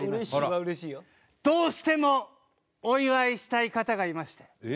どうしてもお祝いしたい方がいまして。